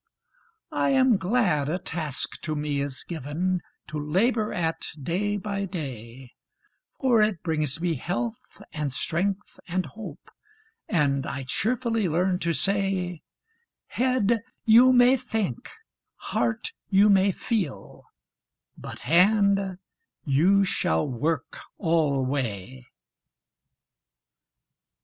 I am glad a task to me is given To labor at day by day; For it brings me health, and strength, and hope, And I cheerfully learn to say 'Head, you may think; heart, you may feel; But hand, you shall work always!'